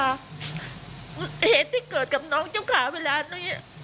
เหตุที่เกิดกับน้องเจ้าขาเวลานี้